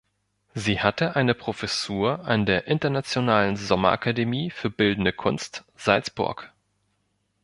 Sie hatte eine Professur an der Internationalen Sommerakademie für Bildende Kunst Salzburg.